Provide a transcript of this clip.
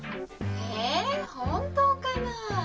ええ本当かなぁ？